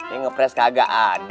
ini ngepres kagak ada